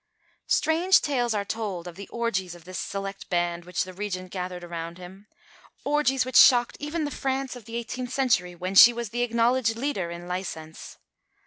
Strange tales are told of the orgies of this select band which the Regent gathered around him orgies which shocked even the France of the eighteenth century, when she was the acknowledged leader in licence.